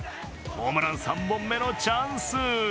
ホームラン３本目のチャンス！